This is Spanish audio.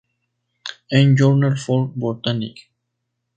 Ein Journal für Botanik".